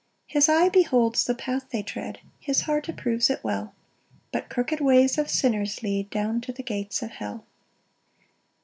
7 His eye beholds the path they tread, His heart approves it well; But crooked ways of sinners lead Down to the gates of hell.